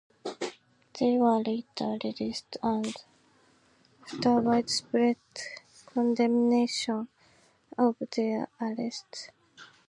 They were later released after widespread condemnation of their arrests.